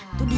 nah tuh dia